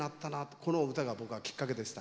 この歌が僕はきっかけでした。